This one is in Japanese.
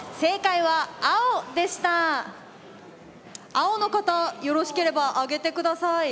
青の方よろしければ上げてください。